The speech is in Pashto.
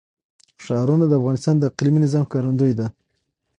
ښارونه د افغانستان د اقلیمي نظام ښکارندوی ده.